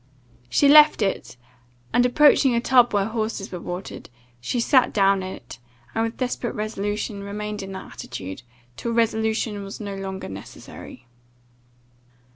] "She left it, and, approaching a tub where horses were watered, she sat down in it, and, with desperate resolution, remained in that attitude till resolution was no longer necessary!